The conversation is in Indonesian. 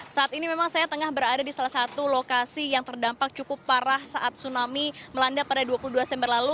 saat ini memang saya tengah berada di salah satu lokasi yang terdampak cukup parah saat tsunami melanda pada dua puluh dua september lalu